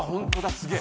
すげえ。